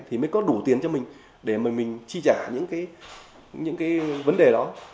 thì mới có đủ tiền cho mình để mà mình chi trả những cái vấn đề đó